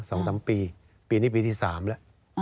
สองสามปีปีนี้ปีที่สามแล้ว